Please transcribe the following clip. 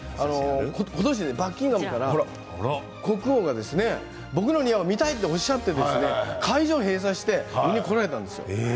今年バッキンガムから国王が僕の庭を見たいとおっしゃって会場を閉鎖して見に来られたんです。